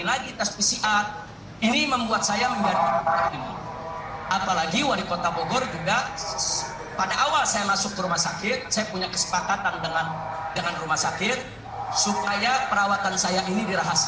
terima kasih wali kota bogor juga pada awal saya masuk ke rumah sakit saya punya kesepakatan dengan dengan rumah sakit supaya perawatan saya ini dirahasia